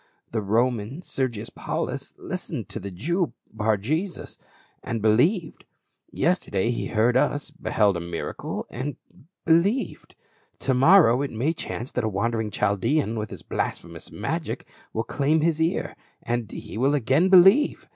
The Roman, Ser gius Paulus, listened to the Jew, Bar Jesus, and be lieved ; yesterday he heard us, beheld a miracle and — believed. To morrow it may chance that a wandering Chaldean with his blasphemous magic will claim his ear ; he will again believe.